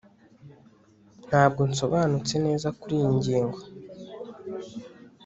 Ntabwo nsobanutse neza kuriyi ngingo